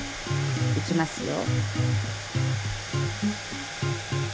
いきますよ。